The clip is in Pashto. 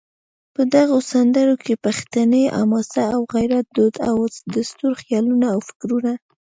په دغو سندرو کې پښتني حماسه او غیرت، دود او دستور، خیالونه او فکرونه